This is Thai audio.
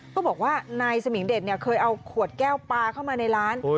ก็บอกว่านายสมิงเดชเคยเอาขวดแก้วปลาเข้ามาในร้าน